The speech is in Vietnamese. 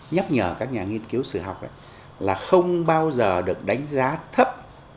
nhắc nhở các nhà nghiên cứu sử học là không bao giờ được đánh giá thấp